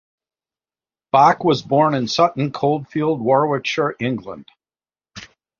Bock was born in Sutton Coldfield, Warwickshire, England.